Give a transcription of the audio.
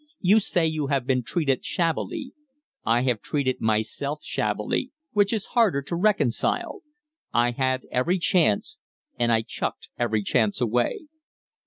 You say you have been treated shabbily. I have treated myself shabbily which is harder to reconcile. I had every chance and I chucked every chance away."